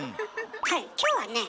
はい今日はね